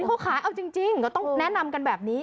เขาขายเอาจริงก็ต้องแนะนำกันแบบนี้